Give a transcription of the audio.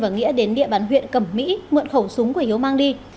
nghĩa đến địa bàn huyện cẩm mỹ mượn khẩu súng của yêu mang đi